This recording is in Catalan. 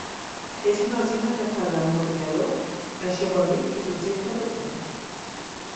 És una alzina que fa d'amorriador, això vol dir que és objecte de cura.